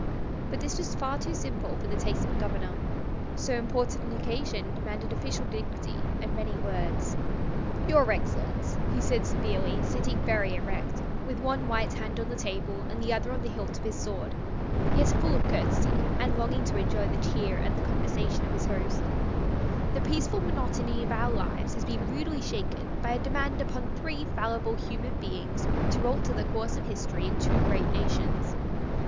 But this was far too simple for the taste of a Governor. So important an occasion demanded official dignity and many words. "Your excellency," he said severely, sitting very erect, with one white hand on the table and the other on the hilt of his sword (yet full of courtesy, and longing to enjoy the cheer and conversation of his host); "the peaceful monotony of our lives has been rudely shaken by a demand upon three fallible human beings to alter the course of history in two great nations.